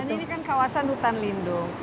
ini kan kawasan hutan lindung